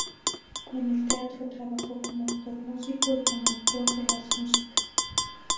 En el teatro, trabajó como actor-músico y como autor de las músicas.